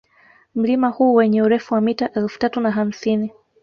Mlima huu wenye urefu wa mita elfu tatu na hamsini